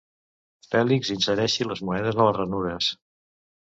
Fèlix insereixi les monedes a les ranures.